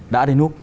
đã đến úc